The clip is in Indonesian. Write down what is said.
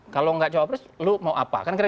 kalau nggak cawapres lu mau apa